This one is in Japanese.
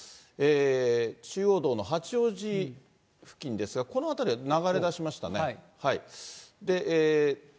中央道の八王子付近ですが、この辺りは流れだしましたね。